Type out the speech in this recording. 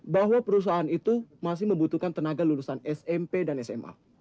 bahwa perusahaan itu masih membutuhkan tenaga lulusan smp dan sma